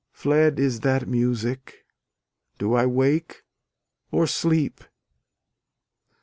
Fled is that music: do I wake or sleep?